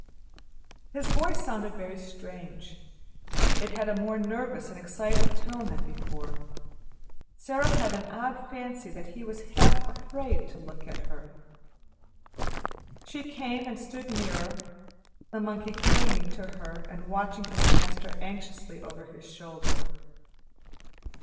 His voice sounded very strange; it had a more nervous and excited tone than before. Sara had an odd fancy that he was half afraid to look at her. She came and stood nearer, the monkey clinging to her and watching his master anxiously over his shoulder.